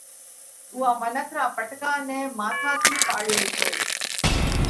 اُوئا منک را پٽڪا نئہ ماٿا ٿِي پاڙيو هٺو۔